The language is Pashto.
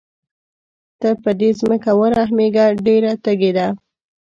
ته په دې ځمکه ورحمېږه ډېره تږې ده.